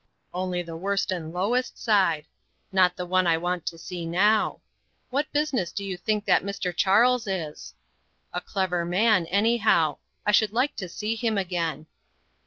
"Only the worst and lowest side; not the one I want to see now. What business do you think that Mr. Charles is? A clever man, anyhow; I should like to see him again."